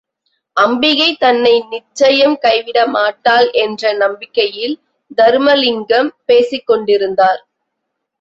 அம்பிகை தன்னை நிச்சயம் கைவிட மாட்டாள் என்ற நம்பிக்கையில் தருமலிங்கம் பேசிக்கொண்டிருந்தார்.